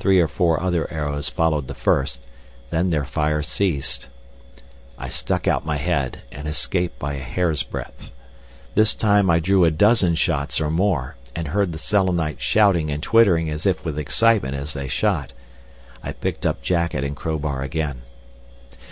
Three or four other arrows followed the first, then their fire ceased. I stuck out my head, and escaped by a hair's breadth. This time I drew a dozen shots or more, and heard the Selenites shouting and twittering as if with excitement as they shot. I picked up jacket and crowbar again.